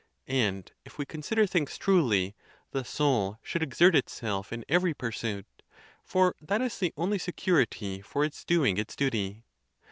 And if we consider things truly, the soul should ex ert itself in every pursuit, for that is the only security for its doing its duty.